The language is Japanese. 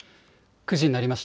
９時になりました。